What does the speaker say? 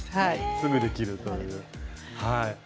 すぐできるという。